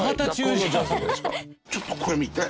ちょっとこれ見て。